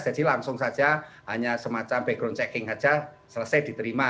jadi langsung saja hanya semacam background checking saja selesai diterima